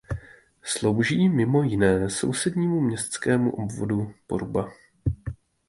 Slouží mimo jiné sousednímu městskému obvodu Poruba.